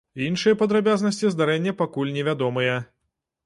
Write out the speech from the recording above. Іншыя падрабязнасці здарэння пакуль невядомыя.